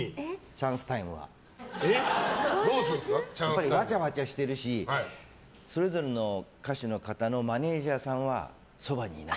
チャンスタイム。わちゃわちゃしてるしそれぞれの歌手の方のマネジャーさんはそばにいない。